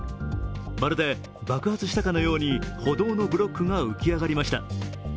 まるで爆発したかのように歩道のブロックが浮き上がりました。